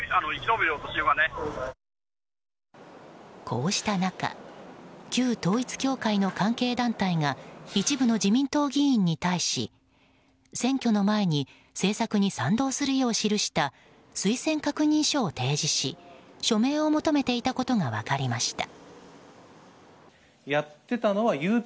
こうした中旧統一教会の関係団体が一部の自民党議員に対し選挙の前に政策に賛同するよう記した推薦確認書を提示し署名を求めていたことが分かりました。